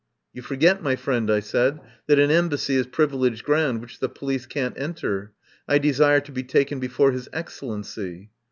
"You forget, my friend," I said, "that an Embassy is privileged ground which the po lice can't enter. I desire to be taken before His Excellency."